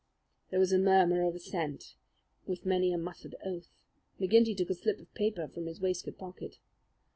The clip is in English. There was a murmur of assent, with many a muttered oath. McGinty took a slip of paper from his waistcoat pocket.